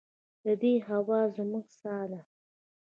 د دې هوا زموږ ساه ده؟